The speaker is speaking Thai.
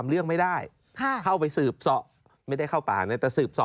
แล้วก็มีแผนที่เขตรักษาพันธุ์สัตว์ป่า